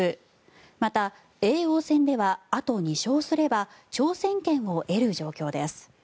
また、叡王戦ではあと２勝すれば挑戦権を得る状況です。